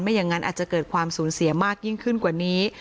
อย่างนั้นอาจจะเกิดความสูญเสียมากยิ่งขึ้นกว่านี้